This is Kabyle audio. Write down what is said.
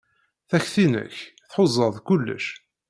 Takti-nnek tḥuza-d kullec.